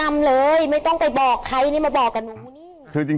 ไม่ต้องไปบอกใครนี่มาบอกกัน